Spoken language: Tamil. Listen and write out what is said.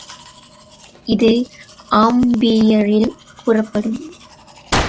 இது ஆம்பியரில் கூறப்படும்.